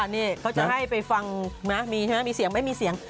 นี่เขาจะให้ไปฟังนะมีเสียงไม่มีเสียง